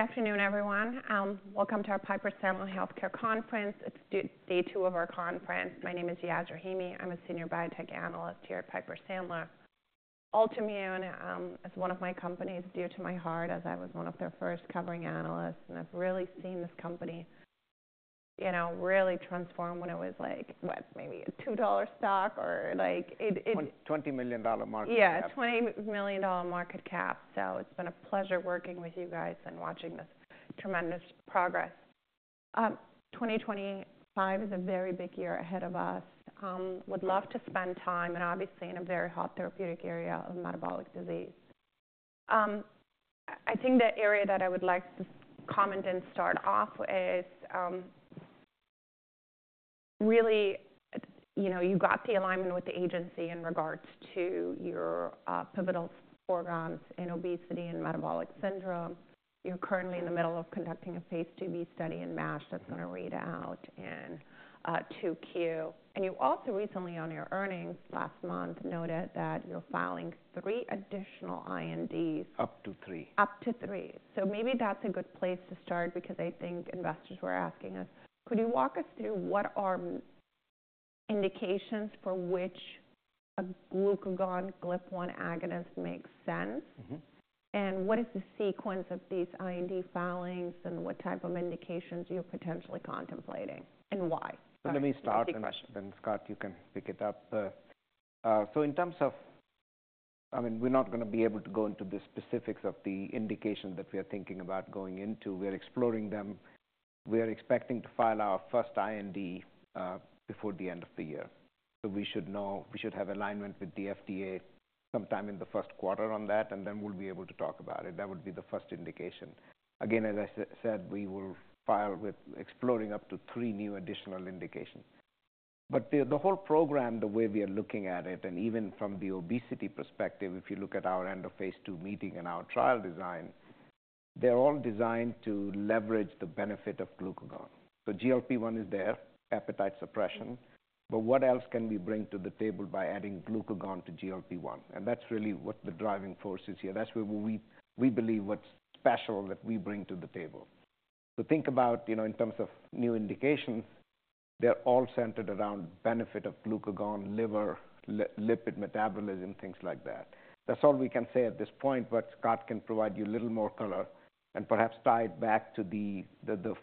Good afternoon, everyone. Welcome to our Piper Sandler Healthcare Conference. It's day two of our conference. My name is Yasmeen Rahimi. I'm a senior biotech analyst here at Piper Sandler. Altimmune is one of my companies dear to my heart, as I was one of their first covering analysts, and I've really seen this company transform when it was like maybe a $2 stock or like it. $20 million market cap. Yeah, $20 million market cap. So it's been a pleasure working with you guys and watching this tremendous progress. 2025 is a very big year ahead of us. Would love to spend time, and obviously in a very hot therapeutic area of metabolic disease. I think the area that I would like to comment and start off with is really, you got the alignment with the agency in regards to your pivotal programs in obesity and metabolic syndrome. You're currently in the middle of conducting a phase 2b study in MASH that's going to read out in 2Q. And you also recently, on your earnings last month, noted that you're filing three additional INDs. Up to three. Up to three. So maybe that's a good place to start, because I think investors were asking us, could you walk us through what are indications for which a glucagon GLP-1 agonist makes sense? And what is the sequence of these IND filings and what type of indications you're potentially contemplating and why? Let me start the question, then Scott, you can pick it up. So in terms of, I mean, we're not going to be able to go into the specifics of the indication that we are thinking about going into. We are exploring them. We are expecting to file our first IND before the end of the year. So we should have alignment with the FDA sometime in the first quarter on that, and then we'll be able to talk about it. That would be the first indication. Again, as I said, we will file with exploring up to three new additional indications. But the whole program, the way we are looking at it, and even from the obesity perspective, if you look at our end of phase II meeting and our trial design, they're all designed to leverage the benefit of glucagon. So GLP-1 is there, appetite suppression. But what else can we bring to the table by adding glucagon to GLP-1? And that's really what the driving force is here. That's where we believe what's special that we bring to the table. So think about, in terms of new indications, they're all centered around benefit of glucagon, liver, lipid metabolism, things like that. That's all we can say at this point, but Scott can provide you a little more color and perhaps tie it back to the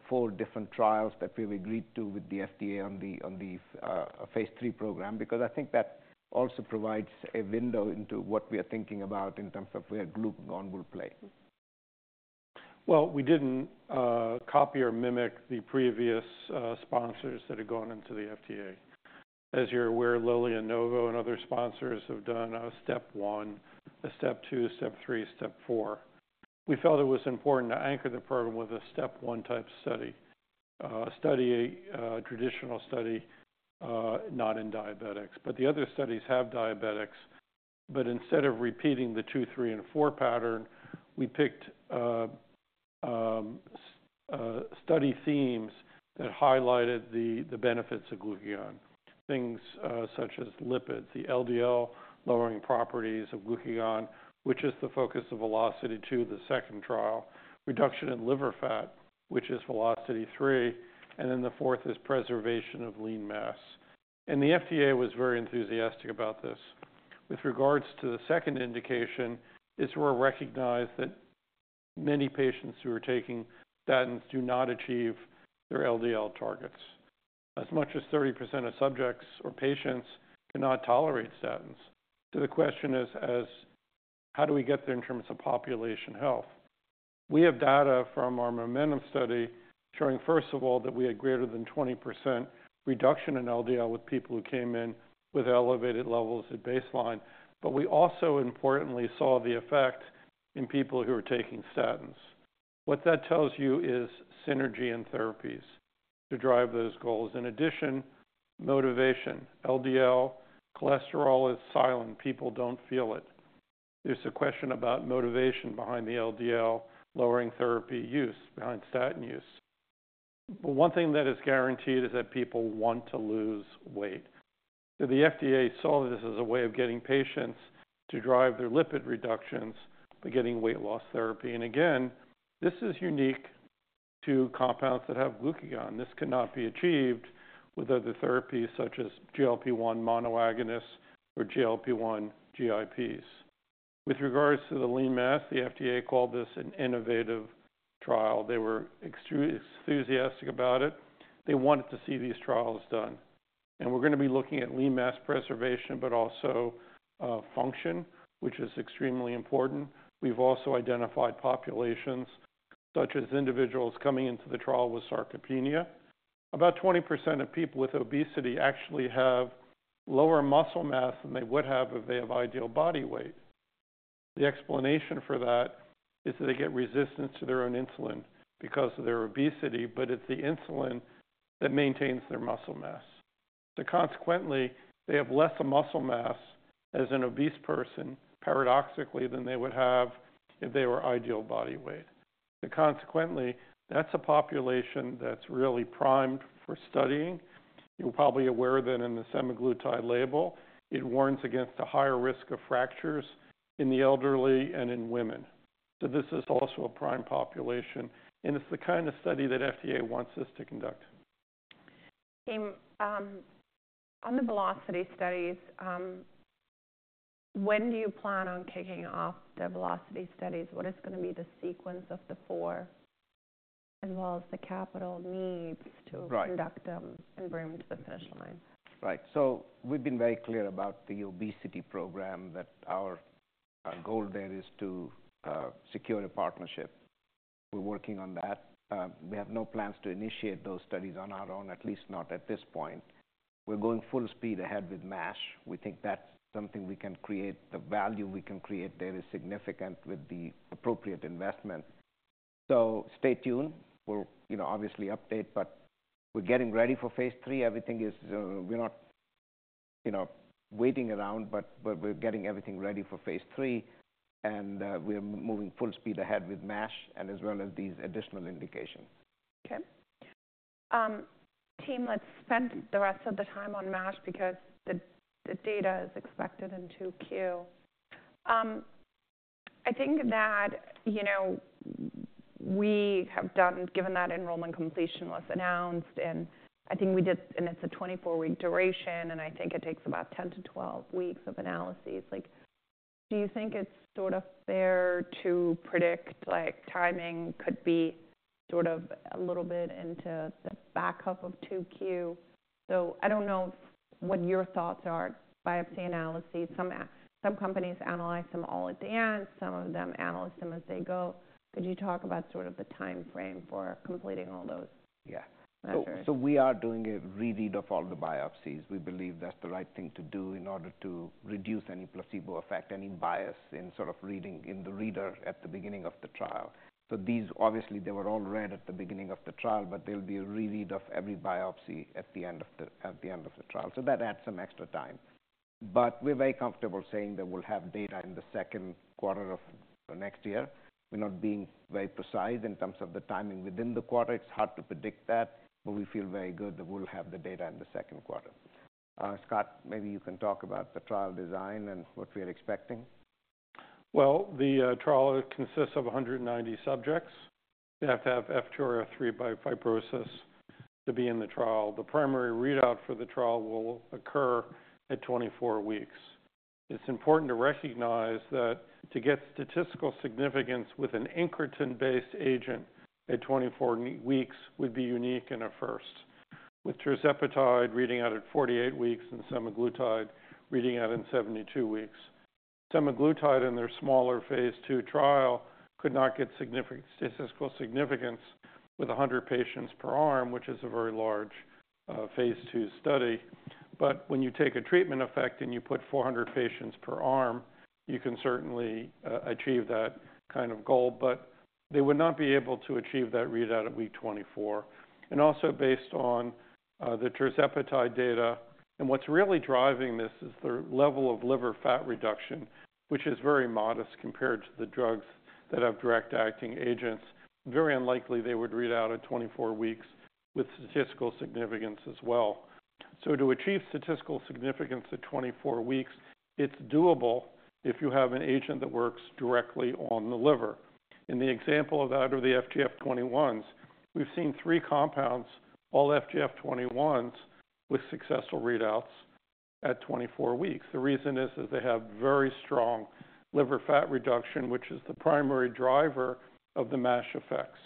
four different trials that we've agreed to with the FDA on the phase III program, because I think that also provides a window into what we are thinking about in terms of where glucagon will play. We didn't copy or mimic the previous sponsors that had gone into the FDA. As you're aware, Lilly and Novo and other sponsors have done a step one, a step two, step three, step four. We felt it was important to anchor the program with a step one type study, a traditional study not in diabetics. But the other studies have diabetics. But instead of repeating the two, three, and four pattern, we picked study themes that highlighted the benefits of glucagon, things such as lipids, the LDL lowering properties of glucagon, which is the focus of VELOCITY-2, the second trial, reduction in liver fat, which is VELOCITY 3. And then the fourth is preservation of lean mass. And the FDA was very enthusiastic about this. With regards to the second indication, it's recognized that many patients who are taking statins do not achieve their LDL targets. As much as 30% of subjects or patients cannot tolerate statins. So the question is, how do we get there in terms of population health? We have data from our MOMENTUM study showing, first of all, that we had greater than 20% reduction in LDL with people who came in with elevated levels at baseline. But we also importantly saw the effect in people who are taking statins. What that tells you is synergy in therapies to drive those goals. In addition, motivation, LDL cholesterol is silent. People don't feel it. There's a question about motivation behind the LDL lowering therapy use behind statin use. But one thing that is guaranteed is that people want to lose weight. So the FDA saw this as a way of getting patients to drive their lipid reductions by getting weight loss therapy. And again, this is unique to compounds that have glucagon. This cannot be achieved with other therapies such as GLP-1 monoagonists or GLP-1 GIPs. With regards to the lean mass, the FDA called this an innovative trial. They were enthusiastic about it. They wanted to see these trials done, and we're going to be looking at lean mass preservation, but also function, which is extremely important. We've also identified populations such as individuals coming into the trial with sarcopenia. About 20% of people with obesity actually have lower muscle mass than they would have if they have ideal body weight. The explanation for that is that they get resistance to their own insulin because of their obesity, but it's the insulin that maintains their muscle mass, so consequently, they have less muscle mass as an obese person, paradoxically, than they would have if they were ideal body weight, so consequently, that's a population that's really primed for studying. You're probably aware that in the semaglutide label, it warns against a higher risk of fractures in the elderly and in women. So this is also a prime population. And it's the kind of study that FDA wants us to conduct. Team, on the VELOCITY studies, when do you plan on kicking off the VELOCITY studies? What is going to be the sequence of the four, as well as the capital needs to conduct them and bring them to the finish line? Right, so we've been very clear about the obesity program, that our goal there is to secure a partnership. We're working on that. We have no plans to initiate those studies on our own, at least not at this point. We're going full speed ahead with MASH. We think that's something we can create. The value we can create there is significant with the appropriate investment, so stay tuned. We'll obviously update, but we're getting ready for phase III. Everything is, we're not waiting around, but we're getting everything ready for phase III, and we're moving full speed ahead with MASH and as well as these additional indications. Okay. Team, let's spend the rest of the time on MASH because the data is expected in 2Q. I think that we have done, given that enrollment completion was announced, and I think we did, and it's a 24-week duration, and I think it takes about 10 to 12 weeks of analyses. Do you think it's sort of fair to predict timing could be sort of a little bit into the back half of 2Q? So I don't know what your thoughts are. Biopsy analyses, some companies analyze them all at the end. Some of them analyze them as they go. Could you talk about sort of the time frame for completing all those? Yeah. So we are doing a re-read of all the biopsies. We believe that's the right thing to do in order to reduce any placebo effect, any bias in sort of reading in the reader at the beginning of the trial. So these, obviously, they were all read at the beginning of the trial, but there'll be a re-read of every biopsy at the end of the trial. So that adds some extra time. But we're very comfortable saying that we'll have data in the second quarter of next year. We're not being very precise in terms of the timing within the quarter. It's hard to predict that, but we feel very good that we'll have the data in the second quarter. Scott, maybe you can talk about the trial design and what we are expecting. The trial consists of 190 subjects. They have to have F2 or F3 fibrosis to be in the trial. The primary readout for the trial will occur at 24 weeks. It's important to recognize that to get statistical significance with an incretin-based agent at 24 weeks would be unique and a first, with tirzepatide reading out at 48 weeks and semaglutide reading out in 72 weeks. Semaglutide in their smaller phase II trial could not get significant statistical significance with 100 patients per arm, which is a very large phase II study. But when you take a treatment effect and you put 400 patients per arm, you can certainly achieve that kind of goal, but they would not be able to achieve that readout at week 24. Also based on the tirzepatide data, and what's really driving this is the level of liver fat reduction, which is very modest compared to the drugs that have direct acting agents. Very unlikely they would read out at 24 weeks with statistical significance as well. To achieve statistical significance at 24 weeks, it's doable if you have an agent that works directly on the liver. In the example of that or the FGF21s, we've seen three compounds, all FGF21s, with successful readouts at 24 weeks. The reason is they have very strong liver fat reduction, which is the primary driver of the MASH effects.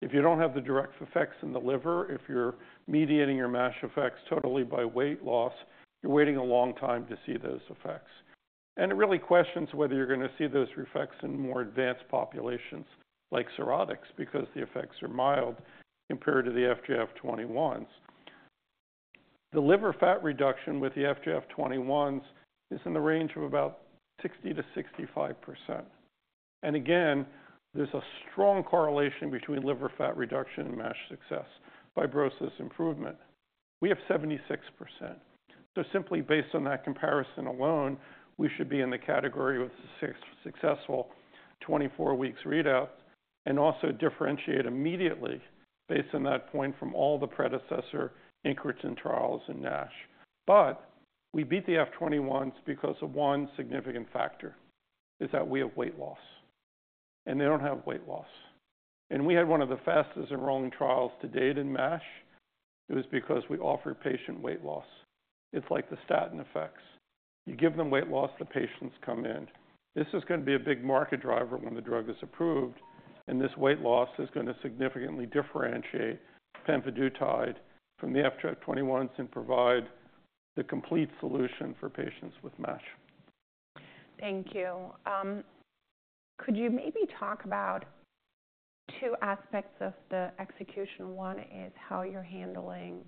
If you don't have the direct effects in the liver, if you're mediating your MASH effects totally by weight loss, you're waiting a long time to see those effects. It really questions whether you're going to see those effects in more advanced populations like cirrhotics, because the effects are mild compared to the FGF21s. The liver fat reduction with the FGF21s is in the range of about 60%-65%. And again, there's a strong correlation between liver fat reduction and MASH success, fibrosis improvement. We have 76%. So simply based on that comparison alone, we should be in the category with a successful 24-week readout and also differentiate immediately based on that point from all the predecessor incretin trials in NASH. But we beat the FGF21s because of one significant factor, is that we have weight loss. And they don't have weight loss. And we had one of the fastest enrolling trials to date in MASH. It was because we offered patient weight loss. It's like the statin effects. You give them weight loss, the patients come in. This is going to be a big market driver when the drug is approved. And this weight loss is going to significantly differentiate pemvidutide from the FGF21s and provide the complete solution for patients with MASH. Thank you. Could you maybe talk about two aspects of the execution? One is how you're handling,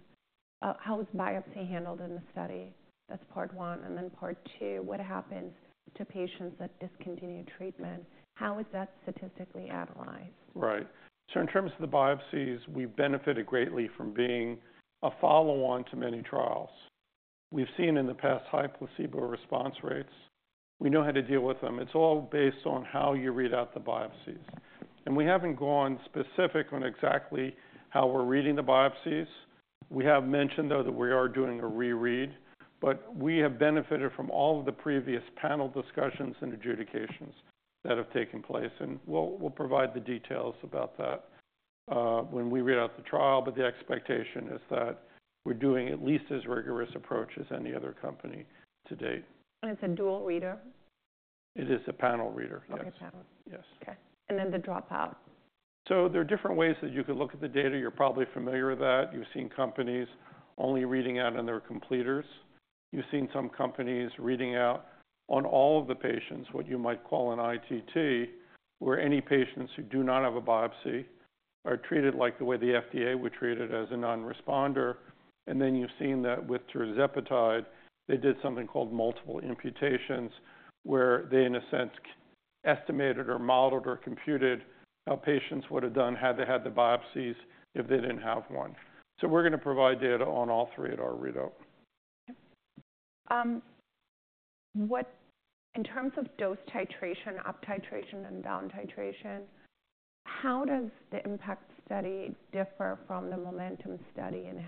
how is biopsy handled in the study? That's part one. And then part two, what happens to patients that discontinue treatment? How is that statistically analyzed? Right, so in terms of the biopsies, we've benefited greatly from being a follow-on to many trials. We've seen in the past high placebo response rates. We know how to deal with them. It's all based on how you read out the biopsies, and we haven't gone specific on exactly how we're reading the biopsies. We have mentioned, though, that we are doing a re-read, but we have benefited from all of the previous panel discussions and adjudications that have taken place, and we'll provide the details about that when we read out the trial, but the expectation is that we're doing at least as rigorous approach as any other company to date. It's a dual reader? It is a panel reader. Yes. Okay. Panel. Yes. Okay. And then the dropout. So there are different ways that you could look at the data. You're probably familiar with that. You've seen companies only reading out on their completers. You've seen some companies reading out on all of the patients, what you might call an ITT, where any patients who do not have a biopsy are treated like the way the FDA would treat it as a non-responder. And then you've seen that with tirzepatide, they did something called multiple imputations, where they in a sense estimated or modeled or computed how patients would have done had they had the biopsies if they didn't have one. So we're going to provide data on all three at our readout. Okay. In terms of dose titration, up titration, and down titration, how does the IMPACT study differ from the MOMENTUM study, and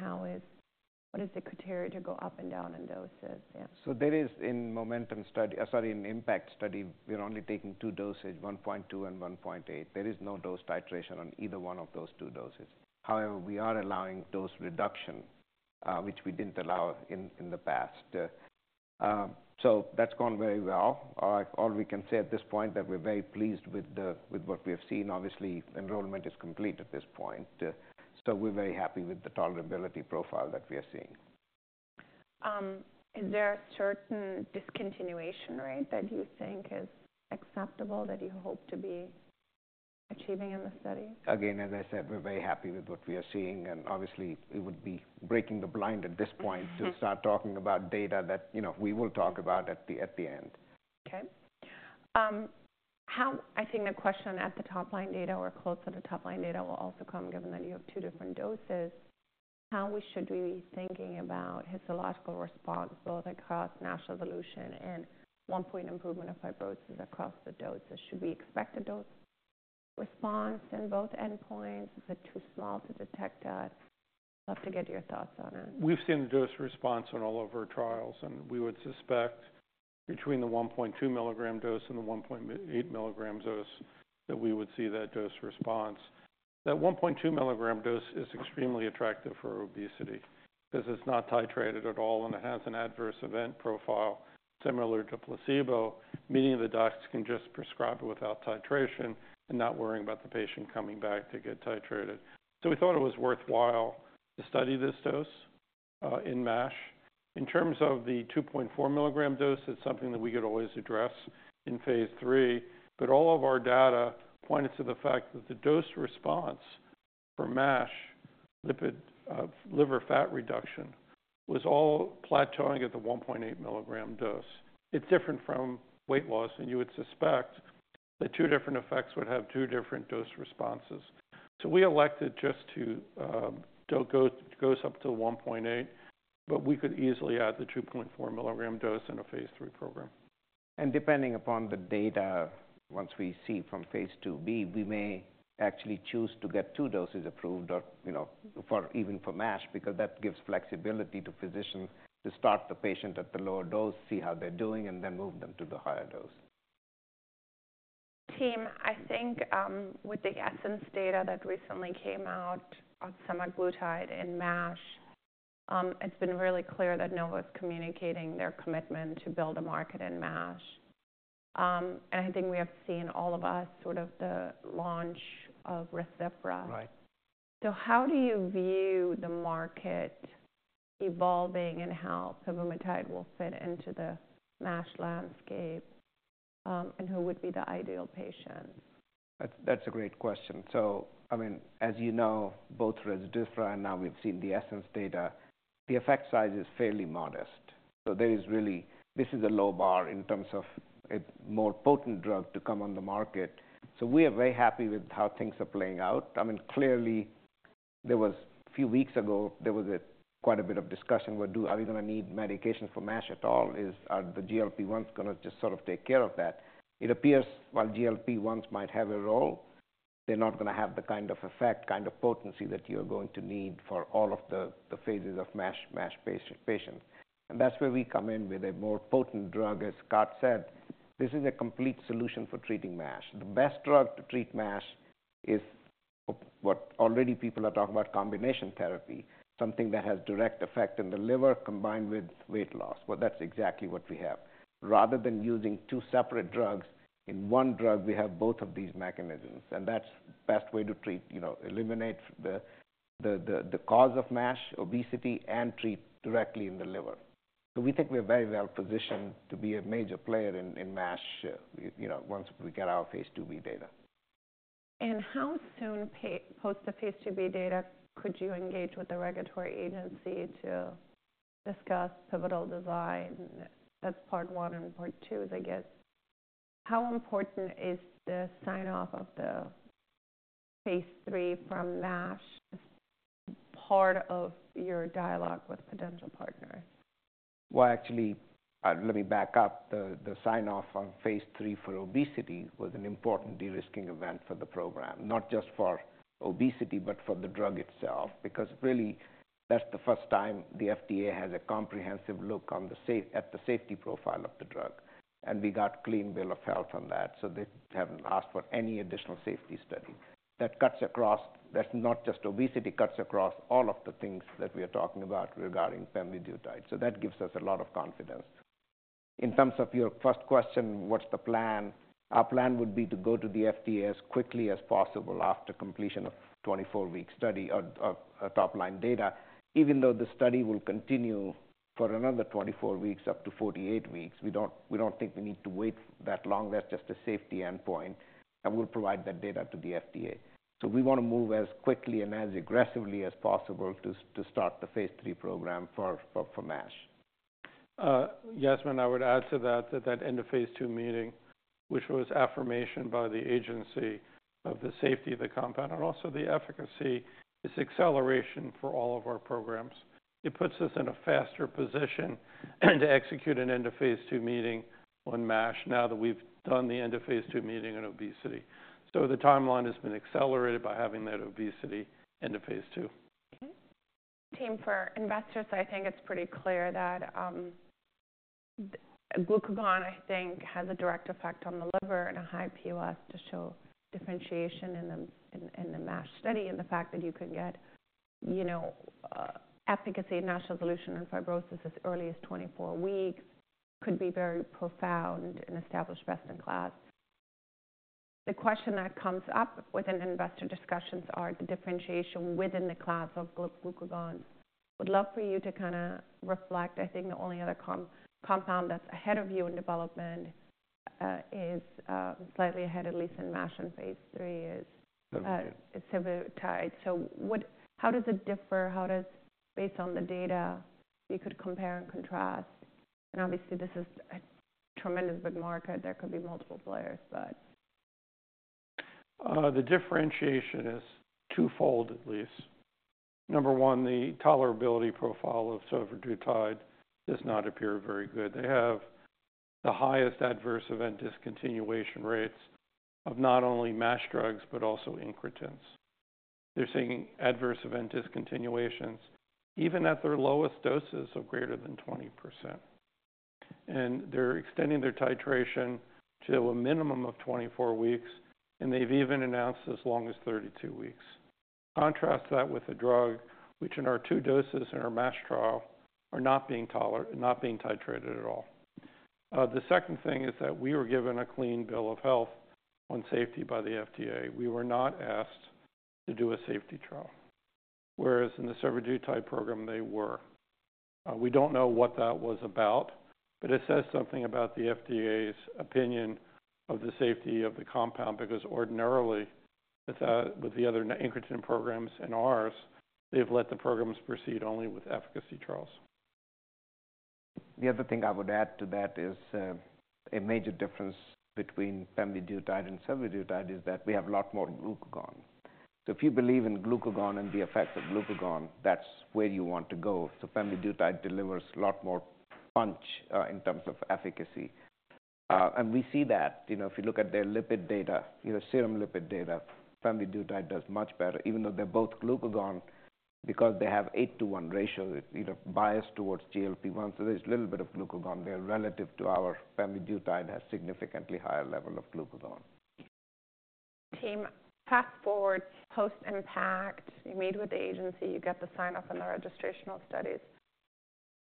what is the criteria to go up and down in doses? So there is in MOMENTUM study, sorry, in IMPACT study, we're only taking two doses, 1.2 and 1.8. There is no dose titration on either one of those two doses. However, we are allowing dose reduction, which we didn't allow in the past. So that's gone very well. All we can say at this point is that we're very pleased with what we have seen. Obviously, enrollment is complete at this point. So we're very happy with the tolerability profile that we are seeing. Is there a certain discontinuation rate that you think is acceptable that you hope to be achieving in the study? Again, as I said, we're very happy with what we are seeing, and obviously, it would be breaking the blind at this point to start talking about data that we will talk about at the end. Okay. I think the question at the top line data or close to the top line data will also come, given that you have two different doses. How should we be thinking about histological response, both across NASH resolution and one-point improvement of fibrosis across the dose? Should we expect a dose response in both endpoints? Is it too small to detect that? I'd love to get your thoughts on it. We've seen the dose response in all of our trials, and we would suspect between the 1.2 milligram dose and the 1.8 milligram dose that we would see that dose response. That 1.2 milligram dose is extremely attractive for obesity because it's not titrated at all, and it has an adverse event profile similar to placebo, meaning the docs can just prescribe it without titration and not worrying about the patient coming back to get titrated, so we thought it was worthwhile to study this dose in MASH. In terms of the 2.4 milligram dose, it's something that we could always address in phase III, but all of our data pointed to the fact that the dose response for MASH, liver fat reduction, was all plateauing at the 1.8 milligram dose. It's different from weight loss, and you would suspect the two different effects would have two different dose responses. We elected just to go up to 1.8, but we could easily add the 2.4 milligram dose in a phase III program. And depending upon the data, once we see from phase IIB, we may actually choose to get two doses approved for even for MASH because that gives flexibility to physicians to start the patient at the lower dose, see how they're doing, and then move them to the higher dose. Team, I think with the ESSENCE data that recently came out on semaglutide in MASH, it's been really clear that Novo is communicating their commitment to build a market in MASH. And I think we have seen all of us sort of the launch of Rezdiffra. So how do you view the market evolving and how pemvidutide will fit into the MASH landscape? And who would be the ideal patient? That's a great question, so I mean, as you know, both Rezdiffra and now we've seen the ESSENCE data, the effect size is fairly modest. So there is really, this is a low bar in terms of a more potent drug to come on the market. We are very happy with how things are playing out. I mean, clearly, there was a few weeks ago, there was quite a bit of discussion. Are we going to need medication for MASH at all? Is the GLP-1s going to just sort of take care of that? It appears, while GLP-1s might have a role, they're not going to have the kind of effect, kind of potency that you're going to need for all of the phases of MASH patients, and that's where we come in with a more potent drug, as Scott said. This is a complete solution for treating MASH. The best drug to treat MASH is what people are already talking about, combination therapy, something that has direct effect in the liver combined with weight loss. Well, that's exactly what we have. Rather than using two separate drugs, in one drug, we have both of these mechanisms. And that's the best way to treat, eliminate the cause of MASH, obesity, and treat directly in the liver. So we think we're very well positioned to be a major player in MASH once we get our phase 2b data. And how soon post the phase 2b data, could you engage with the regulatory agency to discuss pivotal design? That's part one and part two, I guess. How important is the sign-off of the phase III from MASH as part of your dialogue with potential partners? Actually, let me back up. The sign-off on phase III for obesity was an important de-risking event for the program, not just for obesity, but for the drug itself. Because really, that's the first time the FDA has a comprehensive look at the safety profile of the drug. And we got clean bill of health on that. So they haven't asked for any additional safety study. That cuts across. That's not just obesity, cuts across all of the things that we are talking about regarding pemvidutide. So that gives us a lot of confidence. In terms of your first question, what's the plan? Our plan would be to go to the FDA as quickly as possible after completion of 24-week study of top line data. Even though the study will continue for another 24 weeks up to 48 weeks, we don't think we need to wait that long. That's just a safety endpoint. And we'll provide that data to the FDA. So we want to move as quickly and as aggressively as possible to start the phase III program for MASH. Yasmeen, I would add to that that that end of phase II meeting, which was affirmation by the agency of the safety of the compound and also the efficacy, is acceleration for all of our programs. It puts us in a faster position to execute an end of phase II meeting on MASH now that we've done the end of phase II meeting on obesity. So the timeline has been accelerated by having that obesity end of phase II. Okay. Team, for investors, I think it's pretty clear that glucagon, I think, has a direct effect on the liver and a high POS to show differentiation in the MASH study and the fact that you can get efficacy in NASH resolution and fibrosis as early as 24 weeks, could be very profound and establish best-in-class. The question that comes up within investor discussions are the differentiation within the class of glucagon. Would love for you to kind of reflect. I think the only other compound that's ahead of you in development is slightly ahead, at least in MASH and phase III, is survodutide. So how does it differ? How does, based on the data, you could compare and contrast? And obviously, this is a tremendous big market. There could be multiple players, but. The differentiation is twofold, at least. Number one, the tolerability profile of survodutide does not appear very good. They have the highest adverse event discontinuation rates of not only MASH drugs, but also incretins. They're seeing adverse event discontinuations even at their lowest doses of greater than 20%. And they're extending their titration to a minimum of 24 weeks. And they've even announced as long as 32 weeks. Contrast that with a drug, which in our two doses in our MASH trial are not being titrated at all. The second thing is that we were given a clean bill of health on safety by the FDA. We were not asked to do a safety trial, whereas in the survodutide program, they were. We don't know what that was about, but it says something about the FDA's opinion of the safety of the compound. Because ordinarily, with the other incretin programs and ours, they've let the programs proceed only with efficacy trials. The other thing I would add to that is a major difference between pemvidutide and survodutide is that we have a lot more glucagon. So if you believe in glucagon and the effect of glucagon, that's where you want to go. Pemvidutide delivers a lot more punch in terms of efficacy, and we see that. If you look at their lipid data, serum lipid data, pemvidutide does much better, even though they're both glucagon because they have 8:1 ratio, biased towards GLP-1. So there's a little bit of glucagon there relative to our pemvidutide, [which] has significantly higher level of glucagon. Then, fast forward post IMPACT. You meet with the agency. You get the sign-off on the registrational studies.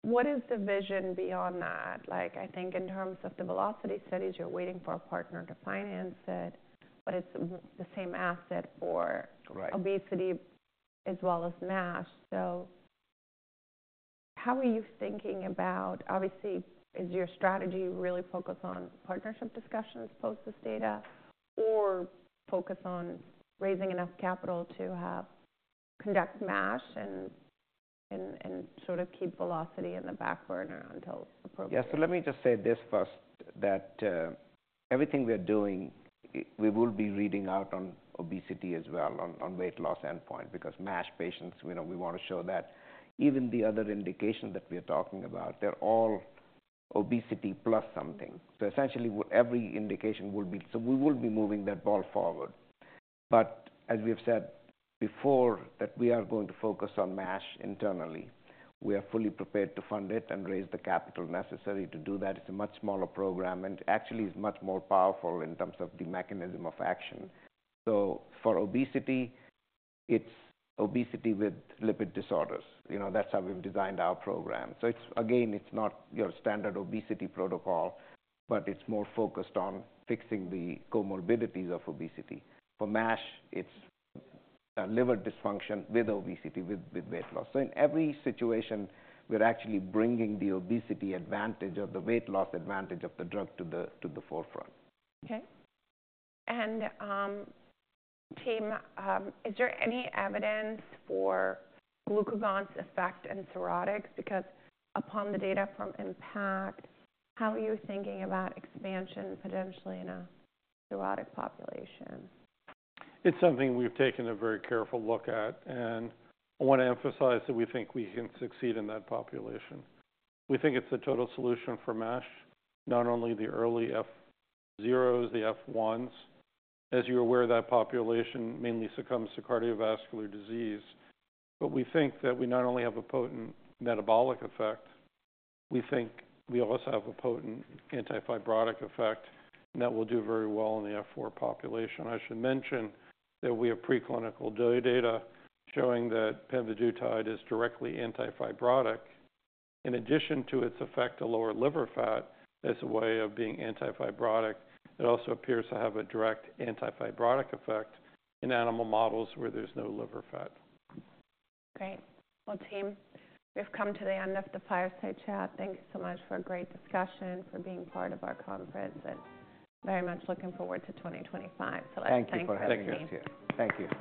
What is the vision beyond that? I think in terms of the VELOCITY studies, you're waiting for a partner to finance it. But it's the same asset for obesity as well as MASH. So how are you thinking about, obviously, is your strategy really focused on partnership discussions post this data or focus on raising enough capital to conduct MASH and sort of keep VELOCITY in the back burner until approval? Yeah. So let me just say this first, that everything we are doing, we will be reading out on obesity as well on weight loss endpoint. Because MASH patients, we want to show that even the other indication that we are talking about, they're all obesity plus something. So essentially, every indication will be so we will be moving that ball forward. But as we have said before, that we are going to focus on MASH internally. We are fully prepared to fund it and raise the capital necessary to do that. It's a much smaller program and actually is much more powerful in terms of the mechanism of action. So for obesity, it's obesity with lipid disorders. That's how we've designed our program. So again, it's not your standard obesity protocol, but it's more focused on fixing the comorbidities of obesity. For MASH, it's liver dysfunction with obesity with weight loss. So in every situation, we're actually bringing the obesity advantage or the weight loss advantage of the drug to the forefront. Okay. And team, is there any evidence for glucagon's effect in cirrhotics? Because upon the data from IMPACT, how are you thinking about expansion potentially in a cirrhotic population? It's something we've taken a very careful look at. And I want to emphasize that we think we can succeed in that population. We think it's the total solution for MASH, not only the early F0s, the F1s. As you're aware, that population mainly succumbs to cardiovascular disease. But we think that we not only have a potent metabolic effect, we think we also have a potent antifibrotic effect that will do very well in the F4 population. I should mention that we have preclinical data showing that pemvidutide is directly antifibrotic. In addition to its effect to lower liver fat as a way of being antifibrotic, it also appears to have a direct antifibrotic effect in animal models where there's no liver fat. Great. Well, team, we've come to the end of the Fireside Chat. Thank you so much for a great discussion, for being part of our conference, and very much looking forward to 2025. So let's thank you for having us here. Thank you.